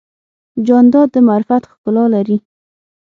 جانداد د معرفت ښکلا لري.